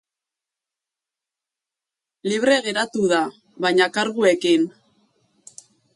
Libre geratu da, baina karguekin.